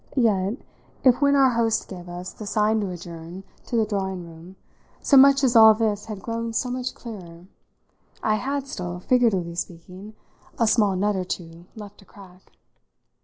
Yet if when our host gave us the sign to adjourn to the drawing room so much as all this had grown so much clearer, I had still, figuratively speaking, a small nut or two left to crack.